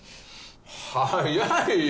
早いよ。